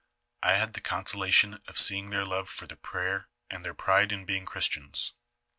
I had the consolation of seeing their love for the prayer and their pride in being Christians.